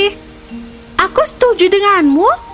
biksi aku setuju denganmu